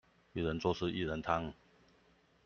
一人做事薏仁湯